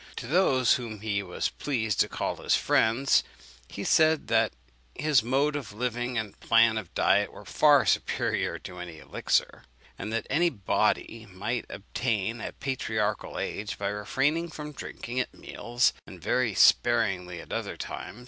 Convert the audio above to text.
To those whom he was pleased to call his friends he said his mode of living and plan of diet were far superior to any elixir, and that any body might attain a patriarchal age by refraining from drinking at meals, and very sparingly at any other time.